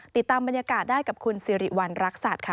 ติดตามบรรยากาศได้กับคุณซิริวัณหรักศาจค่ะ